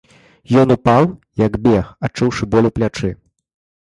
Ён упаў, як бег, адчуўшы боль у плячы.